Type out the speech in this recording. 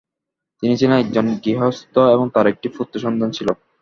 তিনি ছিলেন একজন গৃহস্থ এবং তার একটি পুত্র সন্তান ছিল।